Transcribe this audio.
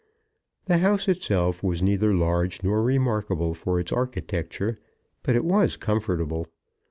The house itself was neither large nor remarkable for its architecture; but it was comfortable.